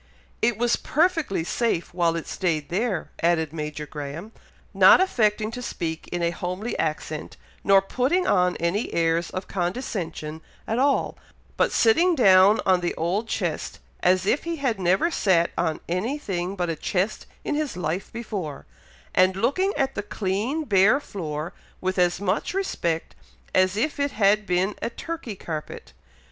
"It was perfectly safe while it stayed there," added Major Graham, not affecting to speak in a homely accent, nor putting on any airs of condescension at all, but sitting down on the old chest as if he had never sat on any thing but a chest in his life before, and looking at the clean bare floor with as much respect as if it had been a Turkey carpet.